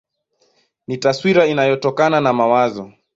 Ni taswira inayotokana na mawazo.